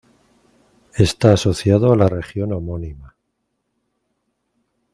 Está asociado a la región homónima.